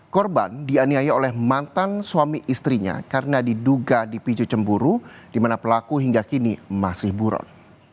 korban dianiaya oleh mantan suami istrinya karena diduga dipicu cemburu di mana pelaku hingga kini masih buron